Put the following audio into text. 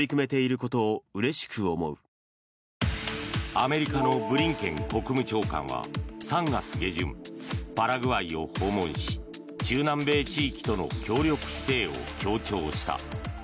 アメリカのブリンケン国務長官は３月下旬、パラグアイを訪問し中南米地域との協力姿勢を強調した。